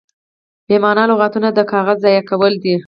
بې مانا لغتونه د کاغذ ضایع کول دي.